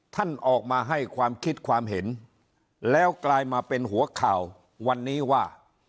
ท่านออกมาให้ความคิดความเห็นแล้วกลายมาเป็นหัวข่าววันนี้ว่า